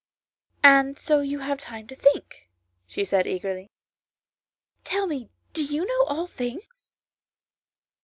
" And so you have time to think," she said eagerly. " Tell me, do you know all things